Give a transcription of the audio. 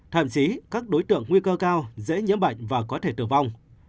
thậm chí các đối tượng nguy cơ cao dễ nhiễm bệnh và có thể tử vong